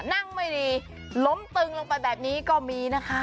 ไม่ดีล้มตึงลงไปแบบนี้ก็มีนะคะ